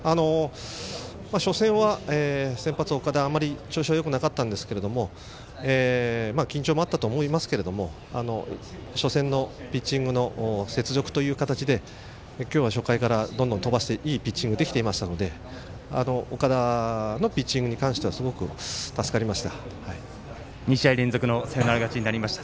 初戦は先発、岡田あまり調子はよくなかったんですが緊張もあったと思いますが初戦のピッチングの雪辱という形で今日は初回からどんどん飛ばしていいピッチングできていましたので岡田のピッチングに関しては２試合連続のサヨナラ勝ちになりました。